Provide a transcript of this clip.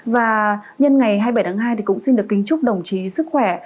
và nhân ngày hai mươi bảy tháng hai thì cũng xin được kính chúc đồng chí sức khỏe